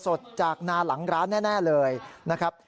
สดจากนาหลังร้านแน่เลยนะครับ